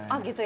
oh gitu ya